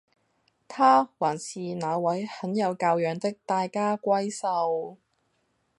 她還是那位很有教養的大家閏秀